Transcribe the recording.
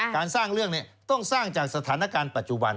การสร้างเรื่องต้องสร้างจากสถานการณ์ปัจจุบัน